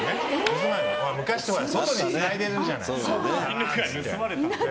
昔とか外でつないでるじゃない。